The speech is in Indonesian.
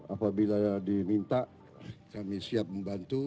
apabila diminta kami siap membantu